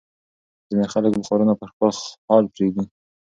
ځینې خلک بخارونه پر خپل حال پرېږدي.